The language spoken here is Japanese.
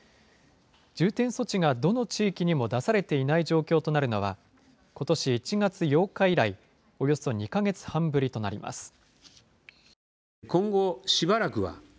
重点措置がどの地域にも出されていない状況となるのは、ことし１月８日以来、およそ２か月半ぶりとなります。